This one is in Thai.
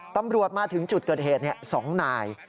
มาถึงจุดเกิดเหตุ๒นาย